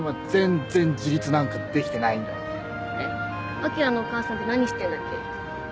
あきらのお母さんって何してんだっけ？